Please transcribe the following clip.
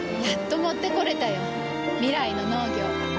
やっと持ってこれたよ。未来の農業。